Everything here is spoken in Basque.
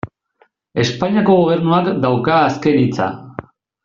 Espainiako Gobernuak dauka azken hitza.